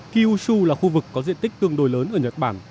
kyushu là khu vực có diện tích tương đối lớn ở nhật bản